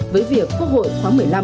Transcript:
với việc quốc hội khoáng một mươi năm